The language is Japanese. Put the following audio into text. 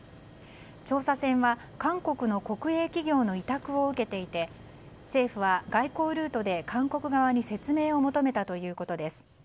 調査船は韓国の国営企業の委託を受けていて政府は外交ルートで韓国側に説明を求めたということです。